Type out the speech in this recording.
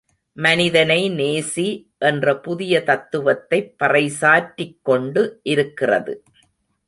மனிதனை நேசி என்ற புதிய தத்துவத்தைப் பறைசாற்றிக் கொண்டு இருக்கிறது.